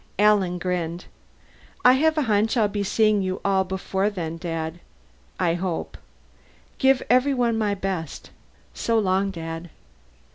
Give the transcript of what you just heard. Alan grinned. "I have a hunch I'll be seeing you all before then, Dad. I hope. Give everyone my best. So long, Dad."